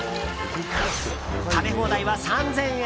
食べ放題は３０００円。